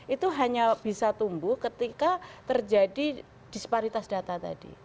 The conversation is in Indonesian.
itu hanya bisa tumbuh ketika terjadi disparitas data tadi